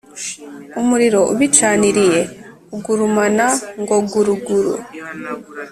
Umuriro ubicaniriye ugurumana ngo guruguru